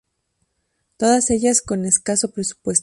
Todas ellas con escaso presupuesto.